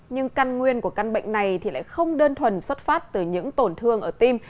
nhưng căn nguyên của căn bệnh này thì lại không đơn thuần xuất phát từ những tổn thương ở tim